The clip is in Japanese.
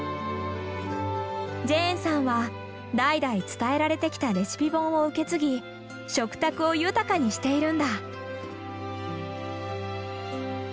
ジェーンさんは代々伝えられてきたレシピ本を受け継ぎ食卓を豊かにしているんだ。